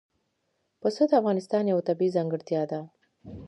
پسه د افغانستان یوه طبیعي ځانګړتیا ده.